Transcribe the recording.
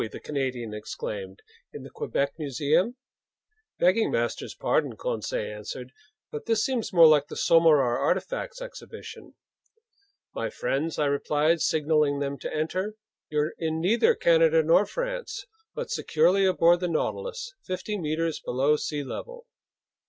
the Canadian exclaimed. "In the Quebec Museum?" "Begging master's pardon," Conseil answered, "but this seems more like the Sommerard artifacts exhibition!" "My friends," I replied, signaling them to enter, "you're in neither Canada nor France, but securely aboard the Nautilus, fifty meters below sea level."